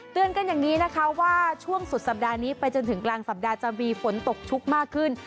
กันอย่างนี้นะคะว่าช่วงสุดสัปดาห์นี้ไปจนถึงกลางสัปดาห์จะมีฝนตกชุกมากขึ้น